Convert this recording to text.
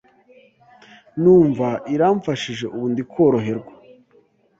numva iramfashije ubu ndi koroherwa